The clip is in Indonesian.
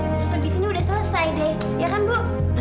terus habis ini udah selesai deh ya kan bu